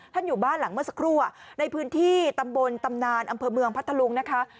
อยู่บ้านหลังเมื่อสักครู่ในพื้นที่ตำบลตำนานอำเภอเมืองพัทธลุงนะคะ